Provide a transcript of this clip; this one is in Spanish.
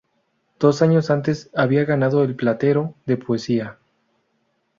Dos años antes había ganado el Platero de poesía.